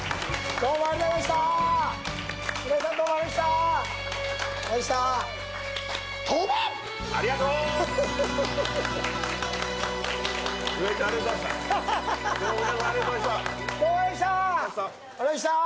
どうも皆さん、ありがとうございました。